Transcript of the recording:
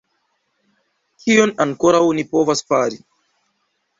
Kion ankoraŭ ni povos fari?